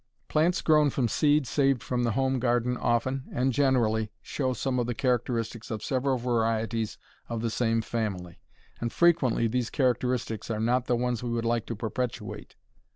Plants grown from seed saved from the home garden often and generally show some of the characteristics of several varieties of the same family, and frequently these characteristics are not the ones we would like to perpetuate.